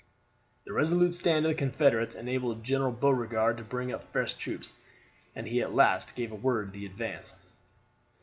The resolute stand of the Confederates enabled General Beauregard to bring up fresh troops, and he at last gave the word to advance.